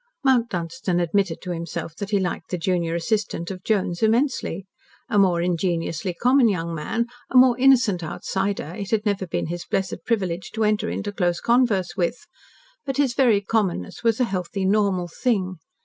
Mount Dunstan admitted to himself that he liked the junior assistant of Jones immensely. A more ingenuously common young man, a more innocent outsider, it had never been his blessed privilege to enter into close converse with, but his very commonness was a healthy, normal thing.